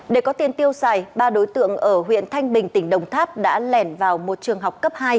để có tiền tiêu xài ba đối tượng ở huyện thanh bình tỉnh đồng tháp đã lẻn vào một trường học cấp hai